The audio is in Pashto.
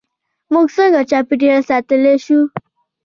موږ څنګه چاپیریال ساتلی شو؟